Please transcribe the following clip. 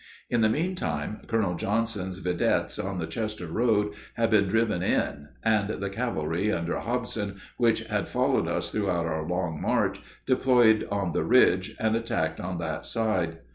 In the mean time Colonel Johnson's videttes on the Chester road had been driven in, and the cavalry under Hobson, which had followed us throughout our long march, deployed on the ridge, and attacked on that side.